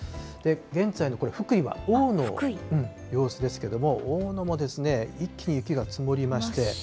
現在のこれ、福井はおおのの様子ですけれども、おおのも一気に雪が降り積もりまして。